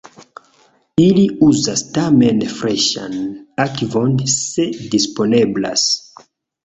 Ili uzas tamen freŝan akvon se disponeblas.